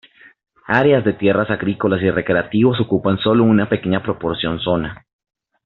Áreas de tierras agrícolas y recreativos ocupan sólo una pequeña proporción zona.